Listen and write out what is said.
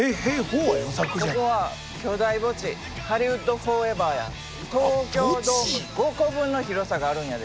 ここは巨大墓地ハリウッド・フォーエバーや。